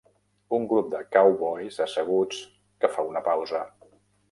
Un grup de cowboys asseguts que fa una pausa